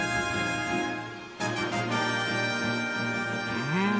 うん！